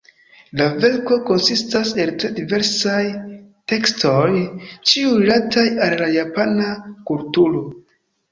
La verko konsistas el tre diversaj tekstoj, ĉiuj rilataj al la Japana kulturo.